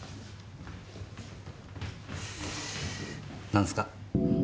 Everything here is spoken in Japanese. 何すか？